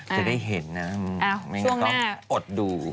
จะได้เห็นนะไม่งั้นต้องอดดู